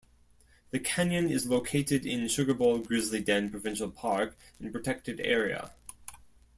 The canyon is located in Sugarbowl-Grizzly Den Provincial Park and Protected Area.